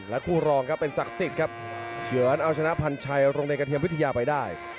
คู่รองครับเป็นศักดิ์สิทธิ์ครับเฉือนเอาชนะพันชัยโรงเรียนกระเทียมวิทยาไปได้